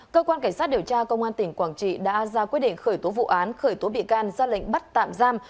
cơ quan cảnh sát điều tra công an tỉnh quảng trị đã ra quyết định khởi tố vụ án khởi tố bị can ra lệnh bắt tạm giam